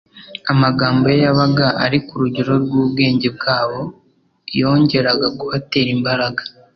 Amagambo ye yabaga ari ku rugero rw'ubwenge bwabo, yongeraga kubatera imbaraga